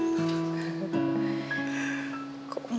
mama engga jawab apa